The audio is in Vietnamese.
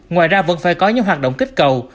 ngoài ra vẫn phải có những hoạt động kích cầu